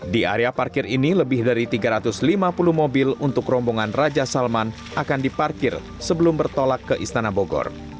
di area parkir ini lebih dari tiga ratus lima puluh mobil untuk rombongan raja salman akan diparkir sebelum bertolak ke istana bogor